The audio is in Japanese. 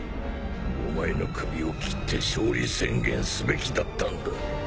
お前の首をきって勝利宣言すべきだったんだ。